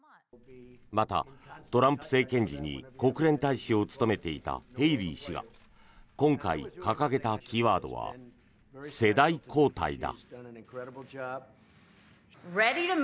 また、トランプ政権時に国連大使を務めていたヘイリー氏が今回、掲げたキーワードは世代交代だ。